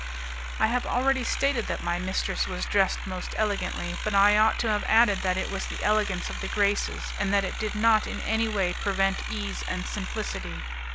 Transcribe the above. I have already stated that my mistress was dressed most elegantly, but I ought to have added that it was the elegance of the Graces, and that it did not in any way prevent ease and simplicity.